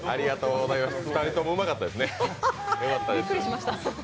２人ともうまかったですね。